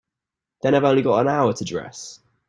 Then I've only got an hour to dress.